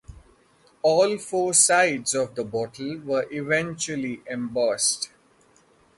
All four sides of the bottle were eventually embossed.